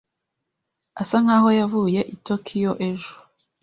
Asa nkaho yavuye i Tokiyo ejo.